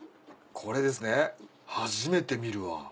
これですね初めて見るわ。